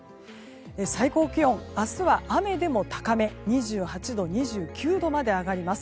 最高気温、明日は雨でも高め２８度、２９度まで上がります。